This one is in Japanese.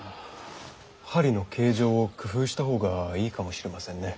針の形状を工夫したほうがいいかもしれませんね。